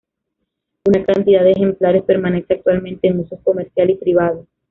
Una cantidad de ejemplares permanece actualmente en usos comercial y privado.